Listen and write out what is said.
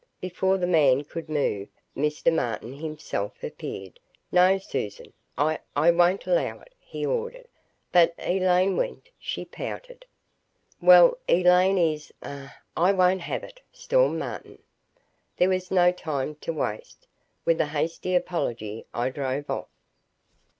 Before the man could move, Mr. Martin himself appeared. "No, Susan, I I won't allow it," he ordered. "But Elaine went," she pouted. "Well, Elaine is ah I won't have it," stormed Martin. There was no time to waste. With a hasty apology, I drove off.